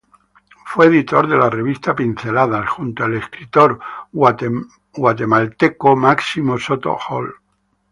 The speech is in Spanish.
Fue editor de la revista "Pinceladas" junto al escritor guatemalteco Máximo Soto Hall.